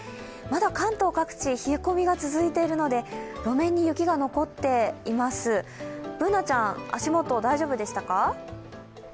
まだ関東各地冷え込みが続いているので、路面に雪が残っています、Ｂｏｏｎａちゃん、足元大丈夫でしたか？